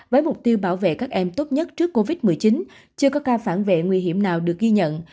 với mục tiêu bảo vệ các em tốt nhất trước covid một mươi chín chưa có ca phản vệ nguy hiểm nào được ghi nhận